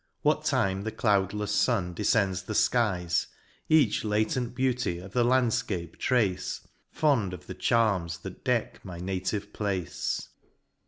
What time the cloudlefs fun defcends the fkies, Each latent beauty of the landfcape trace, Fond of the charms that deck my native place.